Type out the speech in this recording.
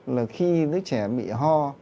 là khi đứa trẻ bị ho